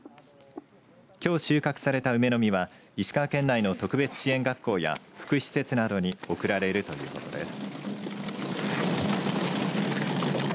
きょう収穫された梅の実は石川県内の特別支援学校や福祉施設などに送られるということです。